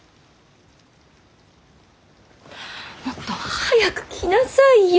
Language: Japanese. もっと早く来なさいよ！